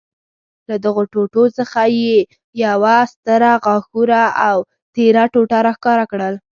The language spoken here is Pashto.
له دغو ټوټو څخه یې یوه ستره، غاښوره او تېره ټوټه را ښکاره کړل.